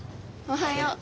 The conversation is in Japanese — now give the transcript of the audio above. おはよう。